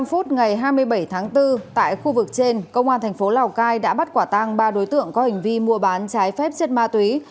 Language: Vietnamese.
một mươi tám h năm mươi năm phút ngày hai mươi bảy tháng bốn tại khu vực trên công an thành phố lào cai đã bắt quả tăng ba đối tượng có hành vi mua bán trái phép chất ma túy